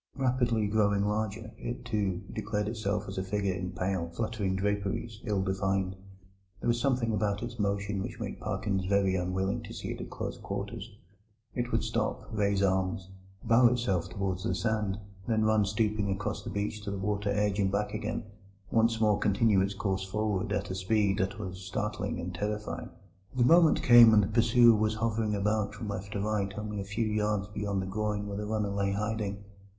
Rapidly growing larger, it, too, declared itself as a figure in pale, fluttering draperies, ill defined. There was something about its motion which made Parkins very unwilling to see it at close quarters. It would stop, raise arms, bow itself towards the sand, then run stooping across the beach to the water edge and back again; and then, rising upright, once more continue its course forward at a speed that was startling and terrifying. The moment came when the pursuer was hovering about from left to right only a few yards beyond the groyne where the runner lay in hiding.